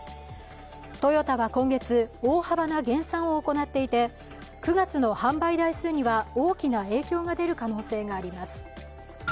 トヨタは今月、大幅な減産を行っていて９月の販売台数には大きな影響が出る可能性があります。